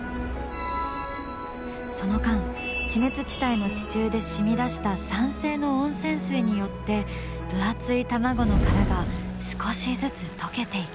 その間地熱地帯の地中で染みだした酸性の温泉水によって分厚い卵の殻が少しずつ溶けていく。